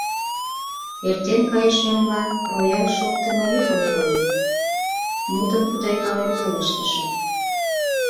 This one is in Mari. — Эртен кайышемла, рояль шоктымо йӱкым кольым, — мутым путайкален пелештышым.